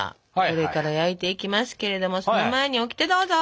これから焼いていきますけれどもその前にオキテどうぞ！